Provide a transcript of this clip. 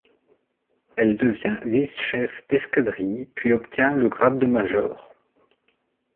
Elle devient vice-chef d'escadrille puis obtient le grade de major.